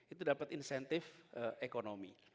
itu dapat insentif ekonomi